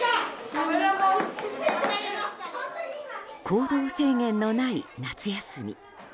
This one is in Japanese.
行動制限のない夏休み。